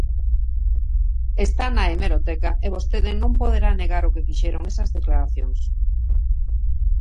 Está na hemeroteca e vostede non poderá negar o que fixeron esas declaracións.